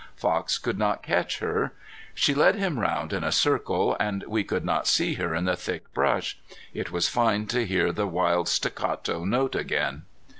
Fox could not catch her. She led him round in a circle, and we could not see her in the thick brush. It was fine to hear the wild staccato note again.